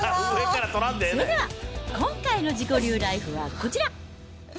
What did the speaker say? それでは今回の自己流ライフはこちら。